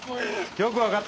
よく分かったね！